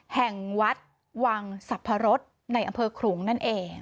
แห่งวัดวังสรรพรสในอำเภอขลุงนั่นเอง